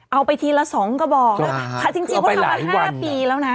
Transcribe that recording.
เอาไปทีละสองกระบอกพ้มไปหลายวันแล้วนะ